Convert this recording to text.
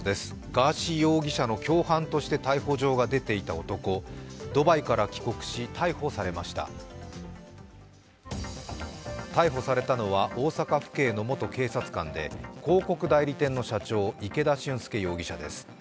ガーシー容疑者の共犯として逮捕状が出ていた男、ドバイから帰国し、逮捕されました逮捕されたのは大阪府警の元警察官で広告代理店の社長池田俊輔容疑者です。